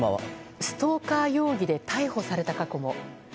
ストーカー容疑で逮捕された過去も。